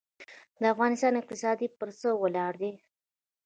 د افغانستان اقتصاد پر څه ولاړ دی؟